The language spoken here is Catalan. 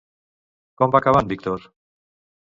Com va acabar en Víctor?